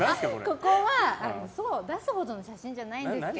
ここは、出すほどの写真じゃないんですけど。